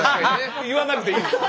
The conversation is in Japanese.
言わなくていい！